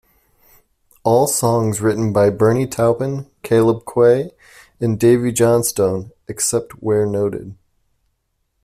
All songs written by Bernie Taupin, Caleb Quaye, and Davey Johnstone, except where noted.